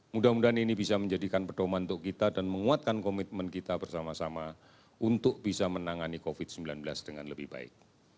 mudah mudahan ini bisa menjadikan pedoman untuk kita dan menguatkan komitmen kita bersama sama untuk bisa menangani covid sembilan belas dengan lebih baik